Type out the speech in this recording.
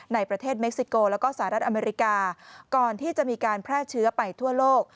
ในประเทศเม็กซิโกแล้วก็สหรัฐอเมริกาก่อนที่จะมีการแพร่เชื้อไปทั่วโลก